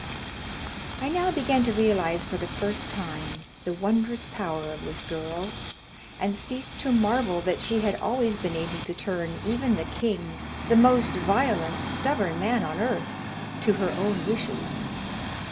I now began to realize for the first time the wondrous power of this girl, and ceased to marvel that she had always been able to turn even the king, the most violent, stubborn man on earth, to her own wishes.